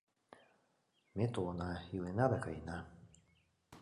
Ме толына, илена да каена.